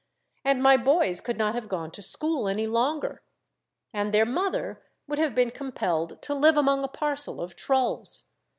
And my boys could not have gone to school any longer. And their mother would have been compelled to live among a parcel of trulls